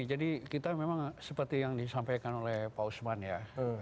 jadi kita memang seperti yang disampaikan oleh pak usman ya